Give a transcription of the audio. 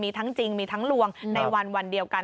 มีทั้งจริงมีทั้งลวงในวันเดียวกัน